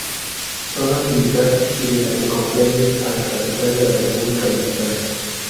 Zona Militar y de la que comprende a la capital de la República Mexicana.